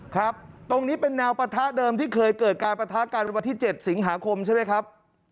ครับตรงนี้เป็นแนวปะทะเดิมที่เคยเกิดการประทะกันวันที่๗สิงหาคมใช่ไหมครับ